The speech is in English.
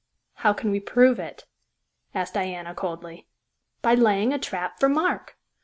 "How can we prove it?" asked Diana coldly. "By laying a trap for Mark.